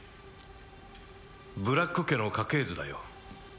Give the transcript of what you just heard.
ブラック家の家系図だよ